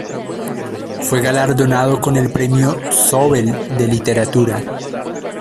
Fue galardonado con el Premio Zóbel de Literatura.